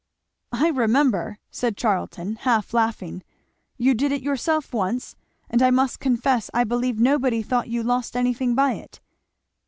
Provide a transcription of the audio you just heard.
"I remember," said Charlton half laughing, "you did it yourself once; and I must confess I believe nobody thought you lost anything by it."